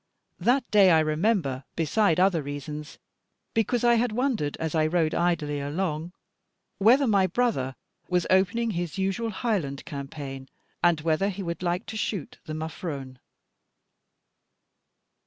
That day I remember, beside other reasons, because I had wondered, as I rode idly along, whether my brother was opening his usual Highland campaign, and whether he would like to shoot the muffrone.